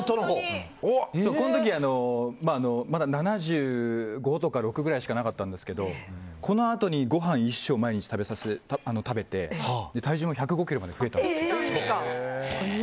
この時、まだ７５とか６くらいしかなかったんですけどこのあとにご飯一升毎日食べて体重も１０５ｋｇまで増えたんですよ。